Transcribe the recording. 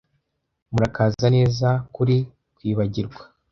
Murakaza neza kuri Kwibagirwa